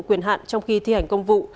quyền hạn trong khi thi hành công vụ